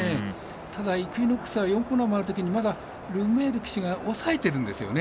ただ、イクイノックスは４コーナー回るときにまだルメール騎手が抑えてるんですよね。